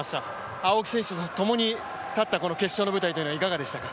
青木選手とともに立った決勝の舞台はいかがでしたか？